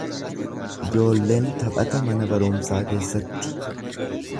Ijoolleen taphata mana barumsaa keessatti.